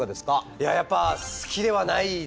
いややっぱ好きではないですね。